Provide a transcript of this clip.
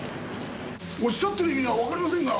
おっしゃってる意味がわかりませんが。